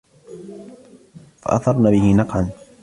فأثرن به نقعا